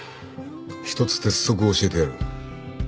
１つ鉄則を教えてやる。